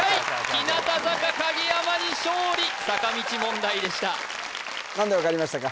日向坂影山に勝利坂道問題でした何で分かりましたか？